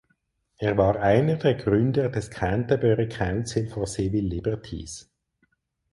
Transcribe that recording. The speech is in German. Er war einer der Gründer des Canterbury Council for Civil Liberties.